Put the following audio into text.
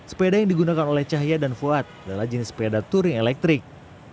sepeda yang digunakan oleh cahya dan fuad adalah jenis sepeda touring elektrik